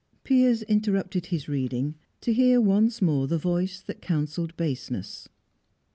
Piers interrupted his reading to hear once more the voice that counselled baseness.